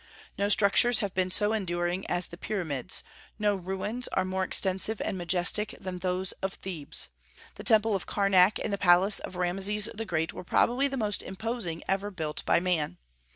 No structures have been so enduring as the Pyramids; no ruins are more extensive and majestic than those of Thebes. The temple of Karnak and the palace of Rameses the Great were probably the most imposing ever built by man.